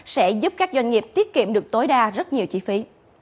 sẽ giúp các doanh nghiệp tiết kiệm được tối đa rất nhiều chi phí